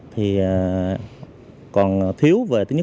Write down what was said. thì còn có đường ngang hợp pháp không có đầu chắn